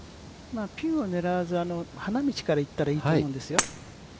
ピンを狙わず、花道からいったらいいと思いますよ。